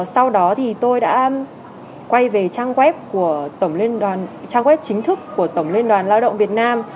sau đó thì tôi đã quay về trang web chính thức của tổng liên đoàn lao động việt nam